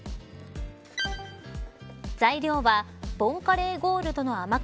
材料はボンカレーゴールドの甘口